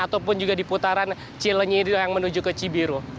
ataupun juga di putaran cilenyi yang menuju ke cibiru